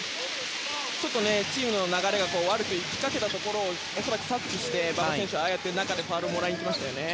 チームの流れが悪くいきかけたところで恐らく察知して、馬場選手は中でファウルをもらいに行きましたね。